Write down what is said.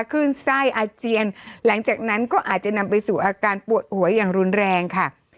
ขึ้นไส้อาเจียนหลังจากนั้นก็อาจจะนำไปสู่อาการปวดหัวอย่างรุนแรงค่ะ